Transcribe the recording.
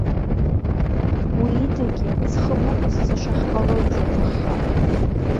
Уи идагьы, зхы бықәызҵаша ҳҟалоит, иаҭаххар.